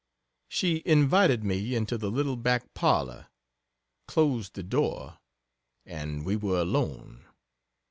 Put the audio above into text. She invited me into the little back parlor, closed the door; and we were alone.